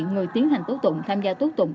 người tiến hành tố tụng tham gia tố tụng